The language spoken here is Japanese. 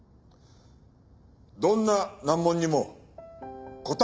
どんな難問にも答えはある！